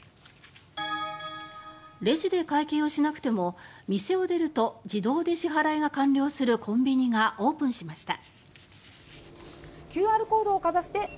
レジで会計をしなくても店を出ると自動で支払いが完了するコンビニがオープンしました。